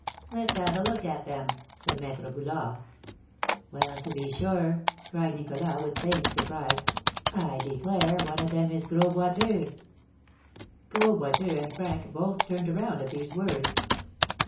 "Let's have a look at them!" said Maître Boulard. "Well, to be sure!" cried Nicholas, with feigned surprise; "I declare one of them is Gros Boiteux!" Gros Boiteux and Frank both turned around at these words.